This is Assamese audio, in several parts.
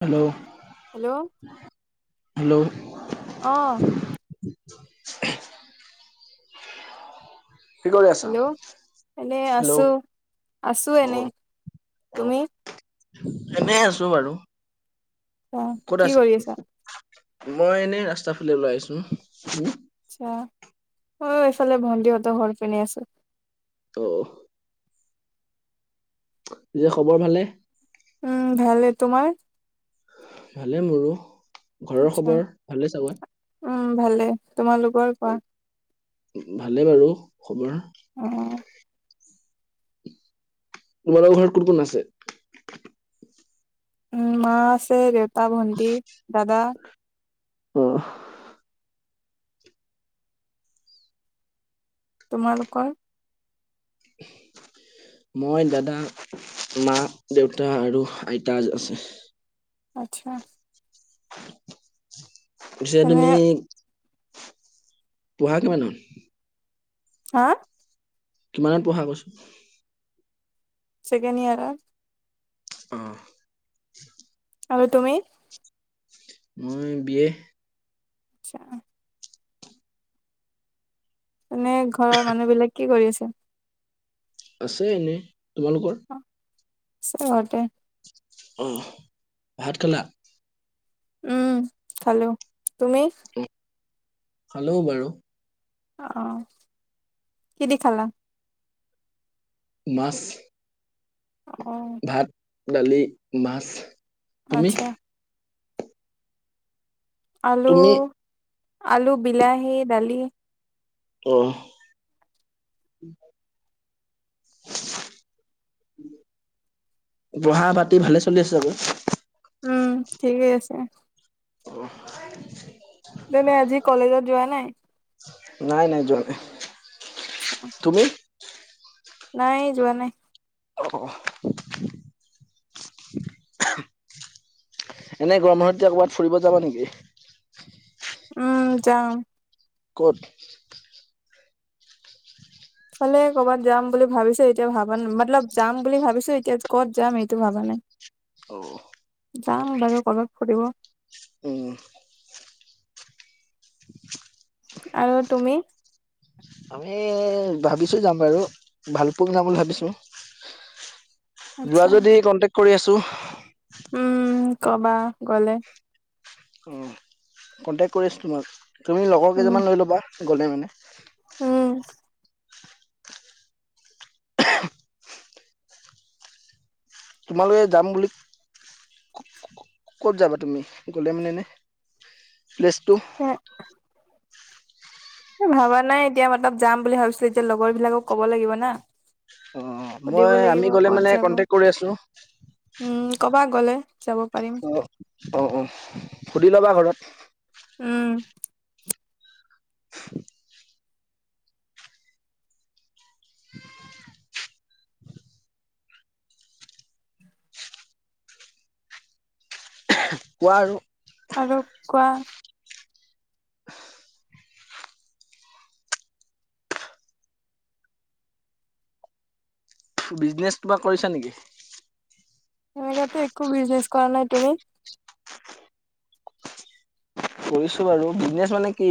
Hello, hello hello! অ' কি কৰি আছা? হেল্ল'! এনে হেল্ল' আছোঁ, আছোঁ অ এনে। তুমি? এনে আছোঁ বাৰু। অ ক'ত কি আছা কৰি তুমি? মই এনেই ৰাস্তা ফালে ওলাই আহিছোঁ উম। আতচা অ', এইফালে ভণ্টিহঁতৰ ঘৰ পিনে আছোঁ। অ' নিজৰ খবৰ ভালে? উম, ভালে তোমাৰ? ভালে মোৰো। ঘৰৰ আতছা। খবৰ ভালে চাগৈ? উম, ভালেই তোমালোকৰ কোৱা। ভালে বাৰু খবৰ। অ তোমালোকৰ ঘৰত কোন, কোন আছে? উম, মা আছে, দেউতা, ভন্টি, দাদা। অ'। তোমালোকৰ? মই, দাদা, মা, দেউতা আৰু আইতা আছে। আতচ্ছা। পিছে তেনে তুমি [unintelligible] হা কিমানত পঢ়া কৈছোঁ? চেকেণ্ড ইয়েৰৰ। অ'। আৰু তুমি? মই বি য়ে আচছা। এনে ঘৰৰ মানুহ বিলাক কি কৰি আছে? আছে এনেই, তোমালোকৰ? [unintelligible] অ', ভাত খালা? উম, খালোঁ। তুমি? খালোঁ বাৰু। অ', কি দি খালা? মাছ। অ'। ভাত, দালি, মাছ। তুমি? আতচ্ছা। আলু, তুমি? আলু, বিলাহী, দালি। অ'। [unintelligible] ভালে চলি আছে [unintelligible] উম ঠিকেই আছে অ তুমি আজি কলেজত যোৱা নাই নাই নাই যোৱা আচ্ছা, তুমি নাই যোৱা নাই অ এনে গৰম মাহত এতিয়া ক'বাত ফুৰিব যাবা নিকি উম যাম ক'ত ফালে কবাত যাম বুলি ভাবিছো এতিয়া ভাবা ন মতলব যাম বুলি ভাবিছো এতিয়া কত যাম এইটো ভাবা নাই নাই অ যাম বাৰু কবাত ফুৰিব উম, আৰু তুমি আমি ভাবিছো যাম বাৰু ভালপোং যাম বুলি ভাবিছো যোৱা আচ্ছা, যদি কন্টেক্ কৰি আছো উম কবা গলে অঁ কণ্টেক্ কৰি আছোঁ তোমাক তুমি লগৰ উম, কেইজনামান লৈ ল'বা গ'লে মানে উম তোমালোকে যাম বুলি ক ক ক ক'ত যাবা তুমি গলে মানে এনে প্লেছ টু এ ভাবা নাই এতিয়া মতলব যাম বুলি ভাবিছিলো এতিয়া লগৰ বিলাকক ক'ব লাগিব না অ', সুধিব মই আমি লাগিব গ'লে কত মানে যাব কন্টেক্ট কৰি আছো। উম কবা গ'লে যাব পাৰিম। অ অ অ সুধি লবা ঘৰত উম [unintelligible] কোৱা আৰু আৰু কোৱা বিজনেছ কিবা কৰিছা নিকি সনেকাতো একো বিজনেছ কৰা নাই তুমি কৰিছোঁ বাৰু বিজনেছ মানে কি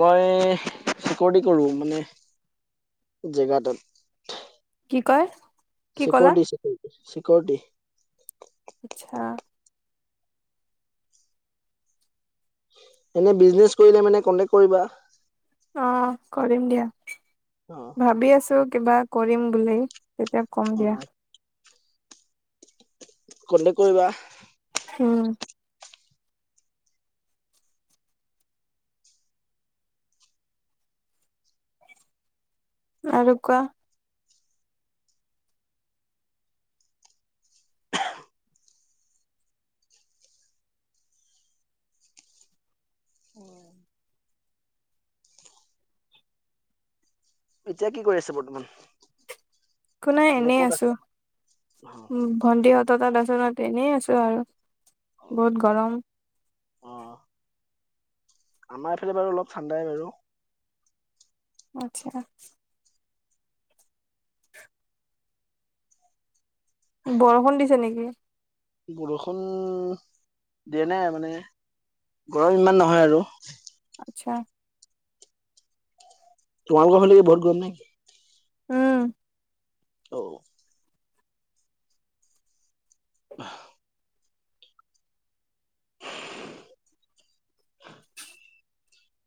মই চিকৰটি কৰো মানে জেগাটাত কি কয় কি ক'লা? চিকৰটি চিকৰটি চিকৰটি আচ্ছা এনে বিজনেছ কৰিলে মানে কন্টেক্ কৰিবা অ কৰিম দিয়া অ ভাবি আছো কিবা কৰিম বুলি তেতিয়া কম অ দিয়া কন্টেক কৰিবা উম আৰু কোৱা এতিয়া কি কৰি আছে বৰ্তমান একো নাই মানে এনেই ক'ত আছো আছে অ উম ভণ্টিহঁতৰ তাত আছো ইয়াত এনেই আছো আৰু অ বহুত গৰম অ আমাৰ এইফালে বাৰু অলপ ঠাণ্ডাই আৰু আচছা [unintelligible] বৰষুণ দিছে নিকি বৰষুণ দিয়া নাই মানে গৰম ইমান নহয় আৰু। আচ্ছা তোমালোকৰ ফালে বহুত গৰম নে কি উম অ' অ '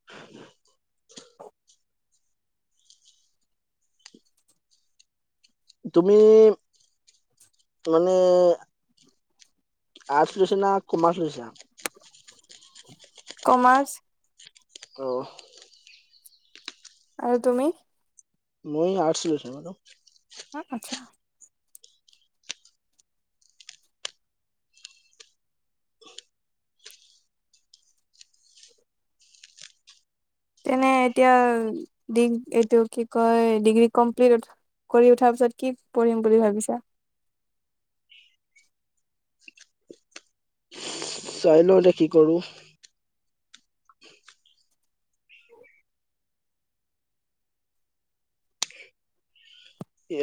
উ, তুমি মানে? আৰ্টছ লৈছে না কমাৰ্চ লৈছো। কমাৰ্চ। অ' আৰু তুমি? মই আৰ্ছ লৈছোঁ আচ্ছা। তেনে এতিয়া এইটো কি কয় ডিগ্ৰী কমপ্লিট। কৰি উঠাৰ পিছত কি কৰিঢ়িম বুলি ভাবিছা। [inaudible] চাই ল দে কি কৰো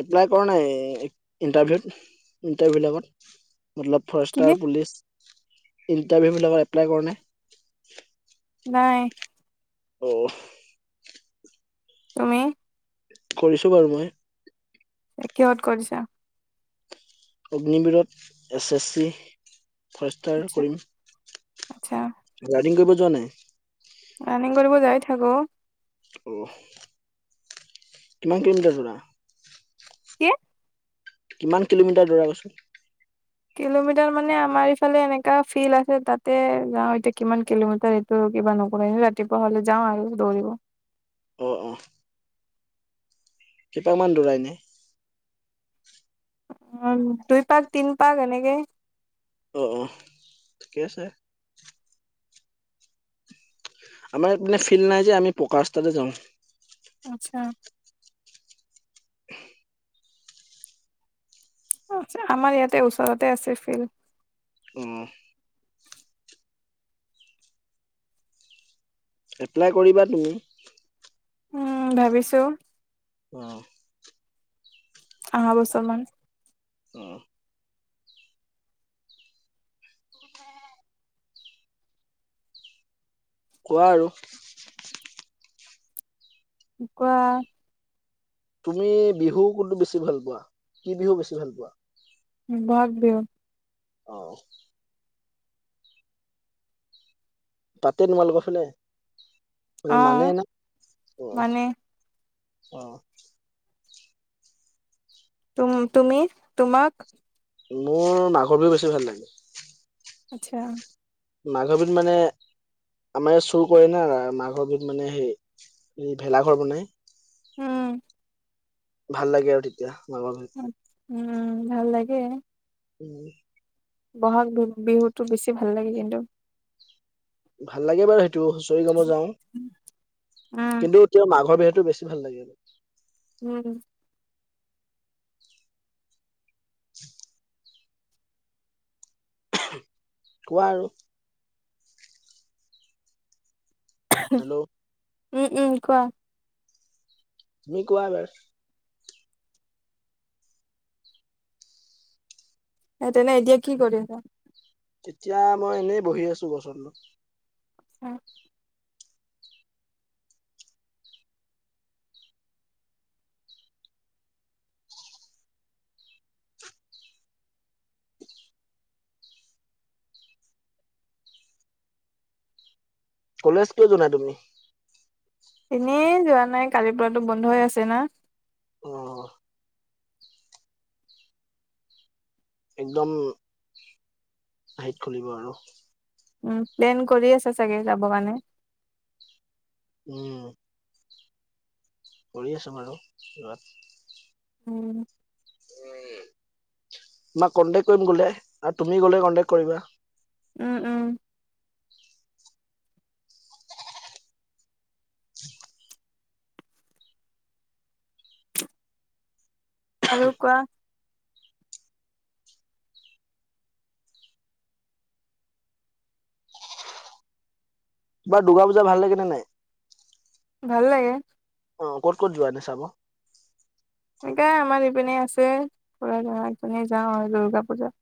এপ্লাই কৰা নাই ইণ্টাৰভিউত ইণ্টাৰভিউ লগত মল কি ফৰেষ্টাৰ পুলিচ ইণ্টাৰভিউবিলাকত এপ্লাই কৰা নাই। নাই। অ' তুমি? কৰিছো বাৰু মই। কিহত কৰিছা অগ্নিবিৰত এছ এছ চি ফৰেষ্টাৰ কৰিম। আত্ছা [inaudible] কৰিব যোৱা নাই ৰানিং কৰিব যাই থাকো অ' কিমান কিলোমিটাৰ দৰা কি কিমান কিলোমিটাৰ দৌৰা কৈছো কিলোমিটাৰ মানে আমাৰ ইফালে এনেকা ফিল্ড আছে তাতে যাও এতিয়া কিমান কিলোমিটাৰ এইটো। কিবা নকৰি ৰাতিপুৱা হ'লে যাওঁ আৰু দৌৰিব অঁ অঁ [inaudible] দৌৰা এনেই উ দুই পাক তিন পাক এনেকে অ -অ ঠিকে আছে আমাৰ মানে ফিল্ড নাই যে আমি পকা ৰাস্তাতে যাওঁ আচ্ছা আমাৰ ইয়াতে ওচৰতে আছে ফিল্ড। অঁ এপ্লাই কৰিবা তুমি উম ভাবিছো অ' অহা বছৰ মান অ কোৱা আৰু কোৱা তুমি বিহু কোনতটো বেছি ভাল পোৱা কি বিহু বেছি ভাল পোৱা ব'হাগ বিহু অ ' পাতে তোমালোকৰ ফালে অ মানে মানে ন অ', মানে অ', তুম-তুমি তোমাক মোৰ মাঘৰ বিহু বেছি ভাল লাগে। আচ্ছা', মাঘৰ বিহুত মানে আমাৰ ইয়াত চুৰ কৰে না মাঘৰ বিহুত মানে সেই ভেলাঘৰ বনাই। উম, ভাল লাগে আৰু তেতিয়া মাঘৰ বিহু। উম, ভাল লাগে। উম, বহাগ বিহু-বিহুতটো বেছি ভাল লাগে কিন্তু। ভাল লাগে বাৰু সেইটো হুঁচৰি গাব যাওঁ উম কিন্তু এতিয়া মাঘৰ বিহুত, বেছি ভাল লাগে আৰু। উম, [inaudible] কোৱা আৰু? হেল্ল', উম-উম কোৱা? তুমি কোৱা না? সেই তেনে এতিয়া কি কৰি আছা? এতিয়া মই এনেই বহি আছো গছৰ তলত। উ, কলেজ কিয় যোৱা নাই তুমি? এনেই যোৱা নাই কালিৰ পৰাতো বন্ধ আছে না। অহ, একদম হেৰিত খুলিব আৰু। উম, প্লেন কৰি আছে চাগে যাব কাৰণে। উম, কৰি আছোঁ আৰু যোৱাত, উম, তোমাক কন্টেকট কৰিম ক'লে আৰু তুমি গ'লে কনটেক্ট কৰিবা। উম-উম, আৰু কোৱা? তোমাৰ দুৰ্গা পূজা ভাল লাগে নে নাই? ভালাগে। অ' ক'ত-ক'ত যোৱা এনে চাব? সেকাই আমাৰ ইপিনে আছে ঘৰৰ ইপিনে যাওঁ আৰু দুৰ্গা পূজা।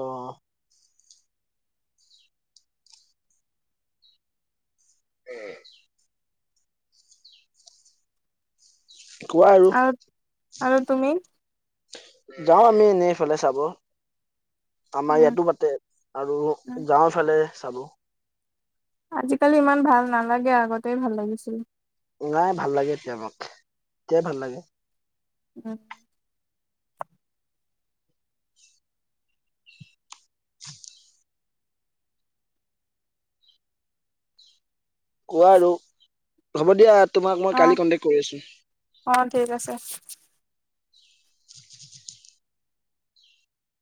অহ, উম, [unintelligible] কোৱা আৰু? আৰু তুমি? যাওঁ আমি এনেয়ে এইফালে চাব। আমাৰ উম ইয়াতো পাতে আৰু উম যাওঁফালে চাব। আজিকালি ইমান ভাল নালাগে আগতে ভাল লাগিছিল। নাই ভাল লাগে এতিয়া মাক এতিয়াই ভাল লাগে। উম, [inaudible] কোৱা আৰু হ'ব দিয়া। তোমাক মই অ কালি কন্টেক্ট কৰি অ আছো। ঠিক আছে।